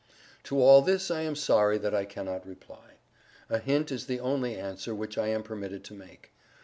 To all this I am sorry that I cannot reply. A hint is the only answer which I am permitted to make.